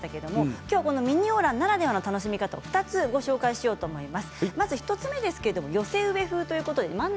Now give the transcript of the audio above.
今日はこのミニ洋ランならではの楽しみ方を２つご紹介しようと思います。